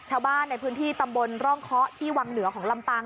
ชาวบ้านในพื้นที่ตำบลร่องเคาะที่วังเหนือของลำปาง